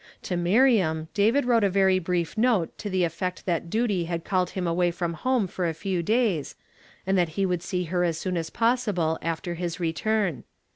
To Miriam, David wrote a very brief note to tlie effect that duty had called him away from home for a few days, and that he would see her as soon as possible after his return.